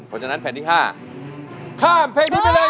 เพราะฉะนั้นแผ่นที่๕ข้ามเพลงนี้ไปเลย